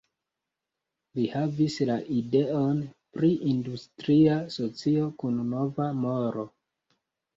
Li havis la ideon pri industria socio kun nova moro.